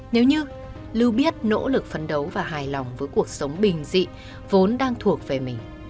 nếu như lưu biết nỗ lực phấn đấu và hài lòng với cuộc sống bình dị vốn đang thuộc về mình